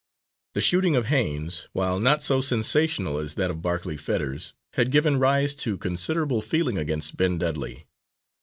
The shooting of Haines, while not so sensational as that of Barclay Fetters, had given rise to considerable feeling against Ben Dudley.